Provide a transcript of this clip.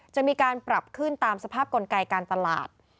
จะมีการปรับขึ้นตามสภาพกลไกการตลาด